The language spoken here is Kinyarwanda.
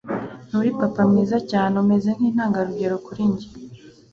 nturi papa mwiza cyane, umeze nkintangarugero kuri njye